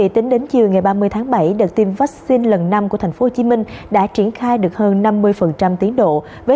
tính đến chiều ngày ba mươi tháng bảy đợt tiêm vaccine lần năm của tp hcm đã triển khai được hơn năm mươi tiến độ